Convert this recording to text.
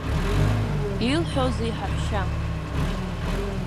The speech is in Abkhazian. Илҳәозеи ҳаҳәшьа.